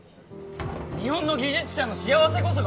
日本の技術者の幸せこそが